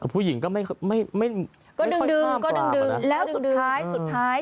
ผู้หญิงก็ไม่ค่อยข้ามกว่าแล้วสุดท้ายสุดท้าย